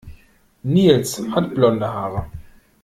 Nils hat blonde Haare.